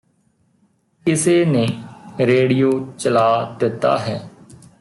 ਕਿਸੇ ਨੇ ਰੇਡੀਓ ਚਲਾ ਦਿੱਤਾ ਹੈ